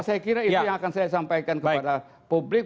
saya kira itu yang akan saya sampaikan kepada publik